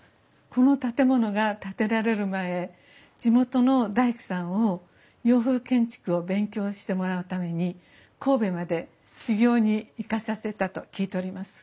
この建物が建てられる前地元の大工さんを洋風建築を勉強してもらうために神戸まで修業に行かさせたと聞いております。